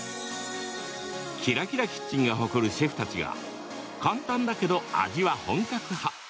「ＫｉｒａＫｉｒａキッチン」が誇るシェフたちが簡単だけど味は本格派。